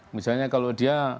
misalnya kalau dia